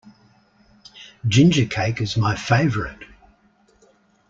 Ginger cake is my favourite.